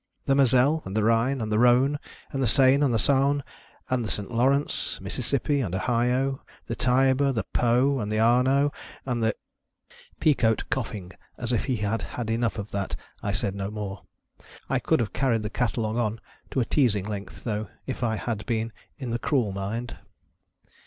The Moselle, and the Rhine, and the Rhone ; and the Seine, and the Saone ; and the St. Lawrence, Mississippi, and Ohio ; and the Tiber, the Po, and the Arno ; and the " Peacoat coughing as if he had had enough of that, I said no more. I could have carried the catalogue on to a teazing length, though, if I had been in the cruel mind.